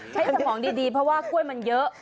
ใช้สมองดีเพราะว่ากล้วยมันเยอะ